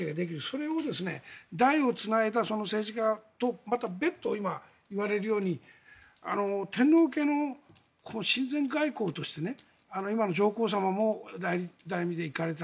それを、代をつないだその政治家とまた別途今、言われるように天皇家の親善外交として今の上皇さまも代理で行かれた。